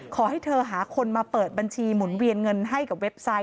ขอให้เธอหาคนมาเปิดบัญชีหมุนเวียนเงินให้กับเว็บไซต์